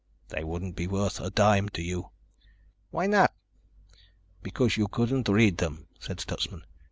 "They wouldn't be worth a dime to you." "Why not?" "Because you couldn't read them," said Stutsman.